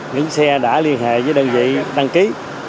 những xe đã liên hệ với đơn vị đăng ký